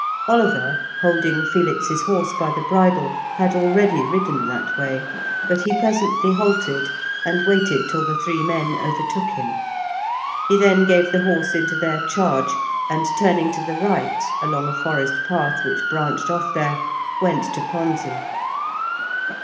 Oliver, holding Felix's horse by the bridle, had already ridden that way, but he presently halted, and waited till the three men overtook him. He then gave the horse into their charge, and turning to the right, along a forest path which branched off there, went to Ponze.